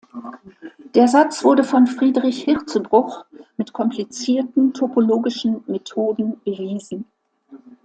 Der Satz wurde von Friedrich Hirzebruch mit komplizierten topologischen Methoden bewiesen.